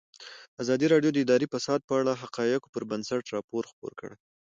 ازادي راډیو د اداري فساد په اړه د حقایقو پر بنسټ راپور خپور کړی.